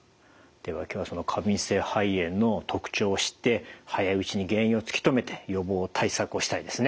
では今日はその過敏性肺炎の特徴を知って早いうちに原因を突き止めて予防対策をしたいですね。